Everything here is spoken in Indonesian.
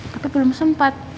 tapi belum sempat